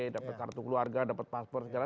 dapat kartu keluarga dapat paspor segala